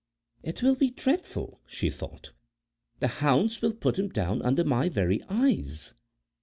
"It will be dreadful," she thought, "the hounds will pull him down under my very eyes."